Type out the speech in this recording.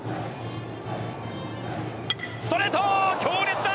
ストレート、強烈だ！